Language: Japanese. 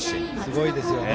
すごいですね。